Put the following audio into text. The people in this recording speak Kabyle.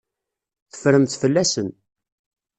Teffremt fell-asen.